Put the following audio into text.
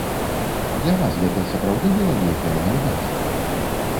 Для вас гэта сапраўды была нейкая няўдача?